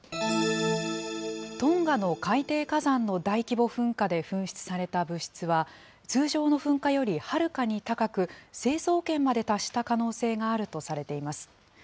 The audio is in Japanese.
トンガの海底火山の大規模噴火で噴出された物質は、通常の噴火よりはるかに高く、成層圏まで達した可能性があるとされています。